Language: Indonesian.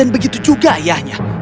begitu juga ayahnya